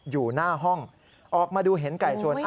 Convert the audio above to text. อยู่หน้าห้องออกมาดูเห็นไก่ชน